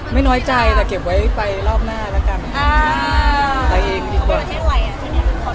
มึงไม่ถึงมาถึงฝากบอก